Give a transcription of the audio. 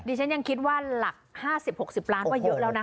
ฉันยังคิดว่าหลัก๕๐๖๐ล้านว่าเยอะแล้วนะ